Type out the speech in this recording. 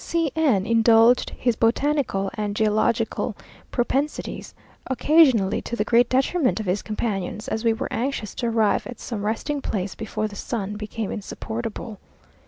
C n indulged his botanical and geological propensities, occasionally to the great detriment of his companions, as we were anxious to arrive at some resting place before the sun became insupportable.